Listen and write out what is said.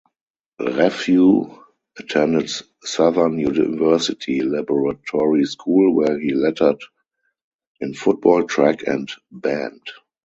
Raphew attended Southern University Laboratory School where he lettered in Football, Track and Band.